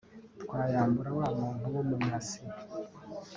twiyambura wa muntu w’umunyasi